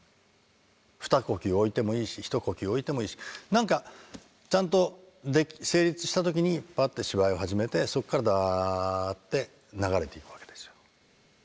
ふた呼吸置いてもいいしひと呼吸置いてもいいし何かちゃんと成立した時にパッて芝居を始めてそこからダーって流れていくわけですよ。